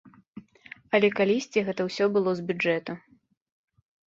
Але калісьці гэта ўсё было з бюджэту!